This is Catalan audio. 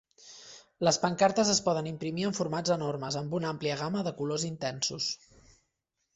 Les pancartes es poden imprimir en formats enormes, amb una àmplia gamma de colors intensos.